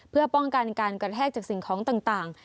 เพื่อป้องกันการกระแทกจากสิ่งของต่าง